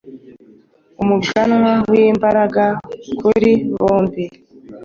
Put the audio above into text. Umuganwa wimbaraga kuri bombi